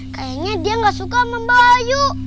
kayaknya dia gak suka sama mbak wayu